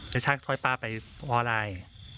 แล้วใช่ถอยป้าไปเพราะอะไร